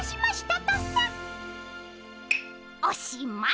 おしまい。